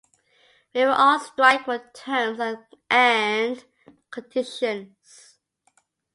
We were on strike for terms and conditions.